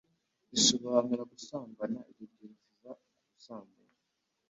risobanura gusambana Ibyo byerekeza ku busambanyi